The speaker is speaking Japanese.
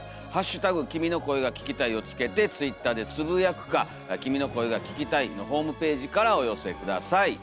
「＃君の声が聴きたい」をつけてツイッターでつぶやくか「君の声が聴きたい」のホームページからお寄せください。